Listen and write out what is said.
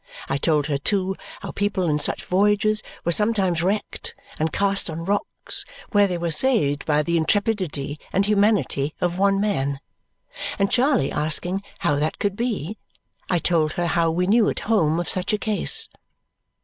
I told her, too, how people in such voyages were sometimes wrecked and cast on rocks, where they were saved by the intrepidity and humanity of one man. And Charley asking how that could be, I told her how we knew at home of such a case.